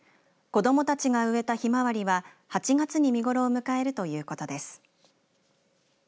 子どもたちが植えたひまわりは８月に見頃を迎えるということです。